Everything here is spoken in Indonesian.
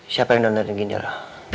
siapa yang donorin ginjal lo